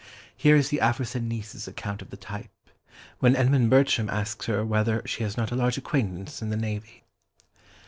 Here is the aforesaid niece's account of the type, when Edmund Bertram asks her whether she has not a large acquaintance in the navy.